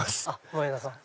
前田さん。